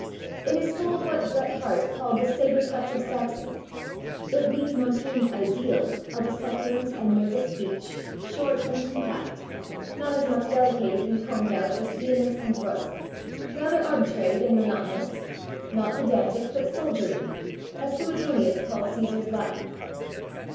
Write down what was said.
It is full of what Bret Harte called the "sabre cuts of Saxon"; it meets Montaigne's ideal of "a succulent and nervous speech, short and compact, not as much delicated and combed out as vehement and brusque, rather arbitrary than monotonous, not pedantic but soldierly, as Suetonius called Caesar's Latin."